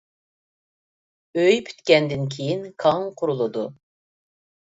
ئۆي پۈتكەندىن كېيىن كاڭ قۇرۇلىدۇ.